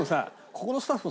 ここのスタッフ